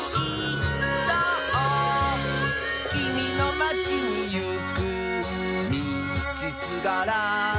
「きみのまちにいくみちすがら」